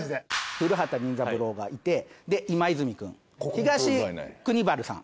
古畑任三郎がいてで今泉くん。東国原さん。